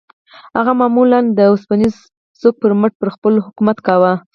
هغه معمولاً د اوسپنيز سوک پر مټ پر خلکو حکومت کاوه.